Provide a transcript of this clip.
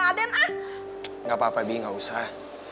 tidak apa apa ibu tidak usah